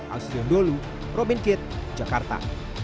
ausri yondolu robin kitt jakarta